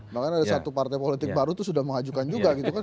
bahkan ada satu partai politik baru itu sudah mengajukan juga gitu kan